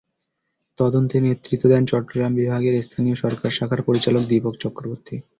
তদন্তে নেতৃত্ব দেন চট্টগ্রাম বিভাগের স্থানীয় সরকার শাখার পরিচালক দীপক চক্রবর্তী।